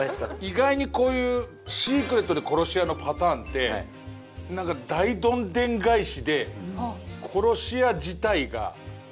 意外にこういうシークレットで殺し屋のパターンって大どんでん返しで殺し屋自体が殺されてる人の中にいるとか。